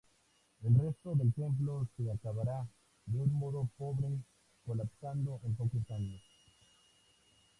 El resto del templo se acabará de un modo pobre colapsando en pocos años.